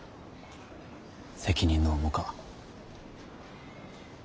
責任の重か。